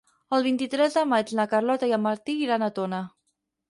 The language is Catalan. El vint-i-tres de maig na Carlota i en Martí iran a Tona.